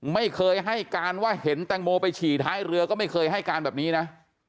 ไม่เคยให้การว่าเห็นแตงโมไปฉี่ท้ายเรือก็ไม่เคยให้การแบบนี้นะ